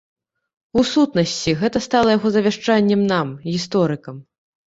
У сутнасці, гэта стала яго завяшчаннем нам, гісторыкам.